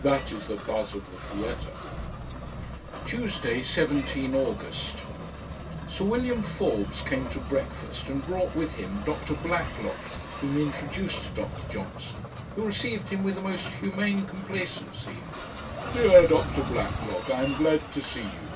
That is the buzz of the theatre.' Tuesday, 17th August Sir William Forbes came to breakfast, and brought with him Dr Blacklock, whom he introduced to Dr Johnson, who received him with a most humane complacency. 'Dear Blacklock, I am glad to see you!'